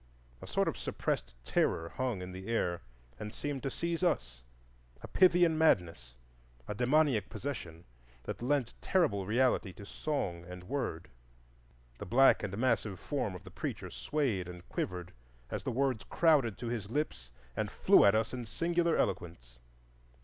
A sort of suppressed terror hung in the air and seemed to seize us,—a pythian madness, a demoniac possession, that lent terrible reality to song and word. The black and massive form of the preacher swayed and quivered as the words crowded to his lips and flew at us in singular eloquence.